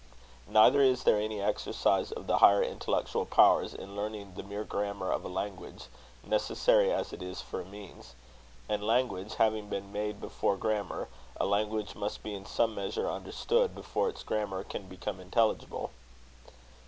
Neither is there any exercise of the higher intellectual powers in learning the mere grammar of a language, necessary as it is for a means. And language having been made before grammar, a language must be in some measure understood, before its grammar can become intelligible.